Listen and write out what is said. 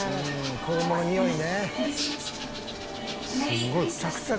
子供のにおいね。